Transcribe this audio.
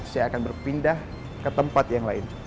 saya akan berpindah ke tempat yang lain